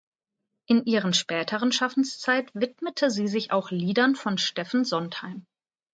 In ihren späteren Schaffenszeit widmete sie sich auch Liedern von Stephen Sondheim.